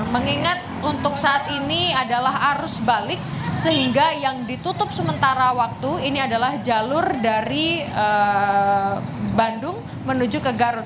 mengingat untuk saat ini adalah arus balik sehingga yang ditutup sementara waktu ini adalah jalur dari bandung menuju ke garut